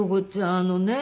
あのね